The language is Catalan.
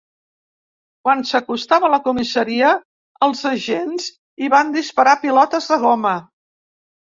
Quan s’acostava a la comissaria, els agents hi van disparar pilotes de goma.